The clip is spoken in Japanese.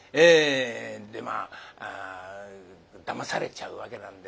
でまあだまされちゃうわけなんですが。